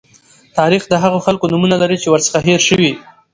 تاریخ د هغو خلکو نومونه لري چې ورڅخه هېر شوي.